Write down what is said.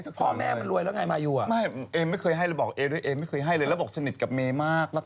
อ๋อเฉ๊กนี่สังกัดคุณใดไม่ใช่เฉกนี่สังกัด